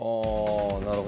なるほど。